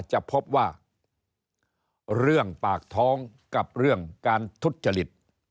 จะพบว่าเรื่องปากท้องกับเรื่องการทุจริต